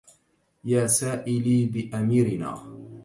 يا سائلي بأميرنا